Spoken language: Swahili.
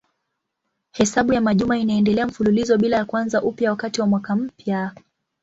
Hesabu ya majuma inaendelea mfululizo bila ya kuanza upya wakati wa mwaka mpya.